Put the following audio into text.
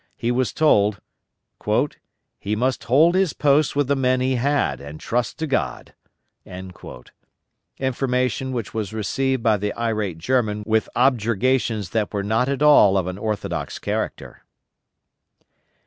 He was told, "he must hold his post with the men he had, and trust to God;" information which was received by the irate German with objurgations that were not at all of an orthodox character.